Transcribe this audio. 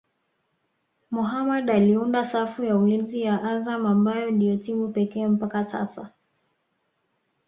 Mohammed anaunda safu ya ulinzi ya Azam ambayo ndio timu pekee mpaka sasa